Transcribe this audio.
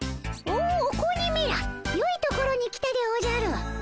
おお子鬼めらよいところに来たでおじゃる。